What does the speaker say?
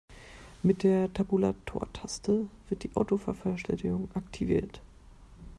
Mit der Tabulatortaste wird die Autovervollständigung aktiviert.